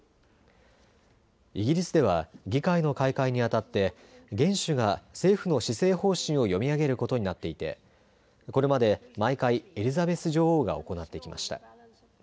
イギリスでは議会の開会にあたって元首が政府の施政方針を読み上げることになっていてこれまで毎回、エリザベス女王が行ってきました。